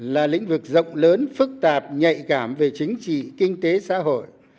là lĩnh vực rộng lớn phức tạp nhạy cảm về chính trị kinh tế xã hội